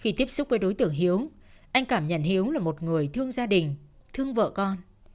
khi tiếp xúc với đối tượng hiếu anh cảm nhận hiếu là một người thương gia đình thương vợ con